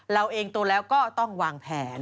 เราเองโตแล้วก็ต้องวางแผน